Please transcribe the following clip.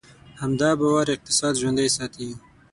همدا باور اقتصاد ژوندی ساتي.